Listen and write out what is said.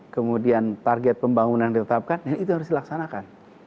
kemudian target pembangunan ditetapkan dan itu harus dilaksanakan